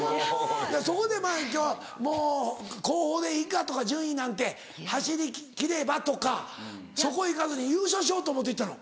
・そこでもう「後方でいいか」とか「順位なんて走り切れば」とかそこ行かずに優勝しようと思って行ったの？